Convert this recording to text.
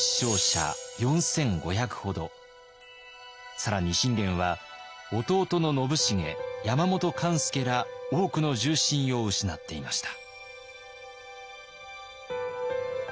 更に信玄は弟の信繁山本勘助ら多くの重臣を失っていました。